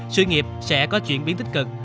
sự nghiệp sẽ có chuyển biến tích cực